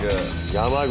山口。